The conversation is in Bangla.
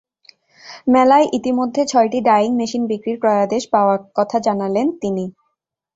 মেলায় ইতিমধ্যে ছয়টি ডায়িং মেশিন বিক্রির ক্রয়াদেশ পাওয়ার কথা জানালেন তিনি।